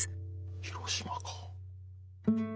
広島か。